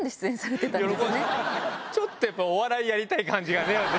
ちょっとお笑いやりたい感じが。